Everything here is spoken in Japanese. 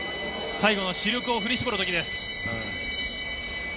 最後の死力を振り絞る時です。